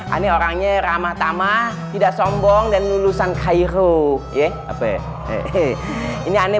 aneh orangnya ramah tamah tidak sombong dan lulusan cairo ya apa hehehe ini aneh